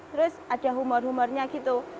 terus ada humor humornya gitu